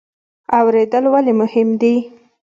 اوریدل ولې مهم دي؟